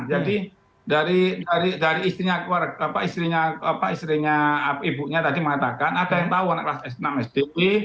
jadi dari istrinya istrinya ibunya tadi mengatakan ada yang tahu anak kelas enam sdw